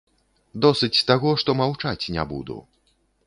Досыць таго, што маўчаць не буду.